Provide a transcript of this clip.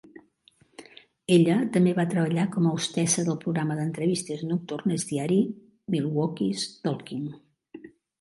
Ella també va treballar com a hostessa del programa d'entrevistes nocturnes diari "Milwaukee's Talking".